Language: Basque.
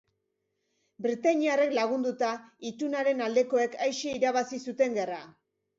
Britainiarrek lagunduta, itunaren aldekoek aise irabazi zuten gerra.